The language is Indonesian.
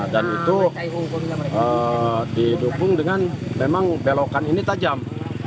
dan itu didukung dengan memang belokan ini tajam